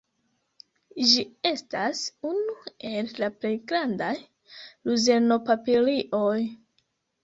Ĝi estas unu el la plej grandaj luzerno-papilioj.